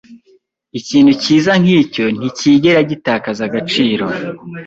Ikintu cyiza nkicyo nticyigera gitakaza agaciro.